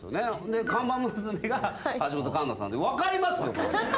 看板娘が橋本環奈さんで分かりますよこれ。